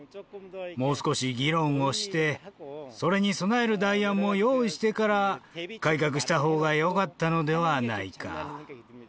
もう少し議論をして、それに備える代案も用意してから、改革したほうがよかったのではないか。